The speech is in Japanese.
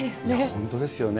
本当ですよね。